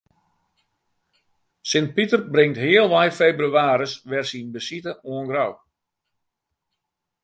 Sint Piter bringt healwei febrewaarje wer syn besite oan Grou.